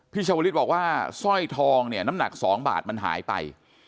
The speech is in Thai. ชาวลิศบอกว่าสร้อยทองเนี่ยน้ำหนัก๒บาทมันหายไป